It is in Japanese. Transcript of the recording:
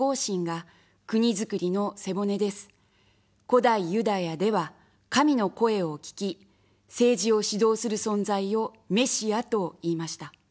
古代ユダヤでは、神の声を聞き、政治を指導する存在をメシアと言いました。